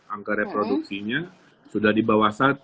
angka reproduksinya sudah di bawah satu